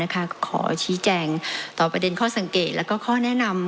ขอชี้แจงต่อประเด็นข้อสังเกตและข้อแนะนำ